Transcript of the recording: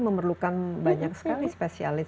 memerlukan banyak sekali spesialis